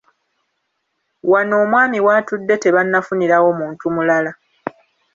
Wano omwami w'atudde tebannafunirawo muntu mulala.